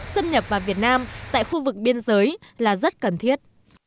xâm nhập vào việt nam tại khu vực biên giới là rất cần thiết